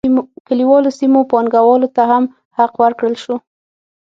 کلیوالو سیمو پانګوالو ته هم حق ورکړل شو.